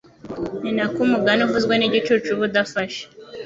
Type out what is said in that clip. ni na ko umugani uvuzwe n’igicucu uba udafashe